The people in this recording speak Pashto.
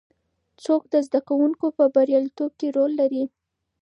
څوک د زده کوونکو په بریالیتوب کې رول لري؟